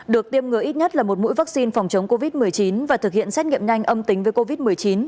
được tiêm ngừa ít nhất là một mũi vaccine phòng chống covid một mươi chín và thực hiện xét nghiệm nhanh âm tính với covid một mươi chín